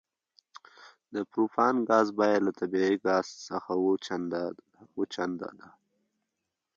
د پروپان ګاز بیه له طبیعي ګاز څخه اوه چنده ده